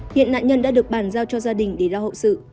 hiện nạn nhân đã được bàn giao cho gia đình để lo hậu sự